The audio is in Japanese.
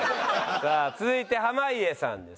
さあ続いて濱家さんです。